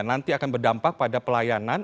nanti akan berdampak pada pelayanan